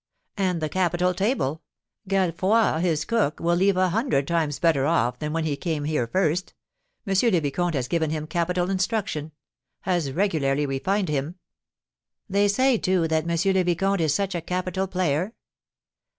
"And the capital table! Gallefroi, his cook, will leave a hundred times better off than when he came here first. M. le Vicomte has given him capital instruction, has regularly refined him!" "They say, too, that M. le Vicomte is such a capital player?"